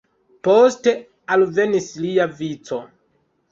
Poste alvenis lia vico.